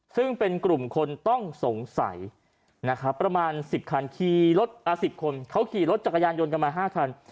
ซึ่งเป็นกลุ่มคนต้องสงสัยประมาณ๑๐คนเขาขี่รถจักรยานยนต์กันมา๕คัน